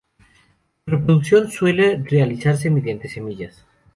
Su reproducción suele realizarse mediante semillas.